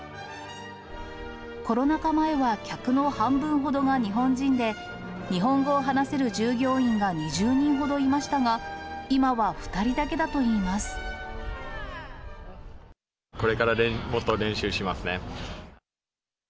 コロナ禍前は、客の半分ほどが日本人で、日本語を話せる従業員が２０人ほどいましたが、今は２人だけだとこれからもっと練習しますね。